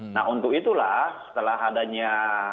nah untuk itulah setelah adanya